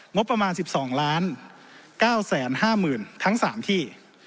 งบประมาณ๑๒๙๕๐๐๐ทั้ง๓ที่